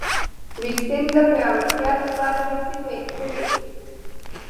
وېلسن د پیاوړتیا لپاره هڅې پیل کړې.